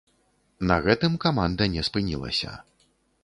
На гэтым каманда не спынілася.